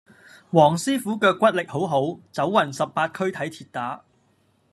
黃師傅腳骨力好好，走勻十八區睇跌打